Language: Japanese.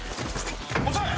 遅い！